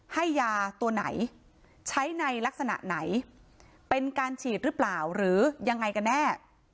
ให้ยาตัวไหนใช้ในลักษณะไหนเป็นการฉีดหรือเปล่าหรือยังไงกันแน่